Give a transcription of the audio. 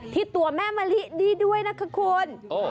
ที่ตัวแม่มะลิดีด้วยนะคะคุณ